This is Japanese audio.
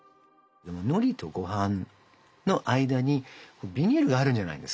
のりとごはんの間にビニールがあるじゃないですか。